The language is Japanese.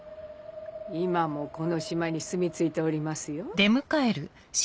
今もこの島にすみ着いておりますよ。